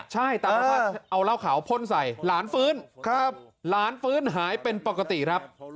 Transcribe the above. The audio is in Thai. ใช่ตามสภาพเอาเหล้าขาวพ่นใส่หลานฟื้นครับหลานฟื้นหายเป็นปกติครับ